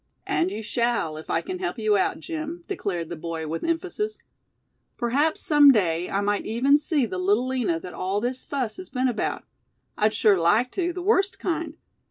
"And you shall, if I can help you out, Jim," declared the boy, with emphasis. "Perhaps some day, I might even see the Little Lina that all this fuss has been about. I'd sure like to, the worst kind.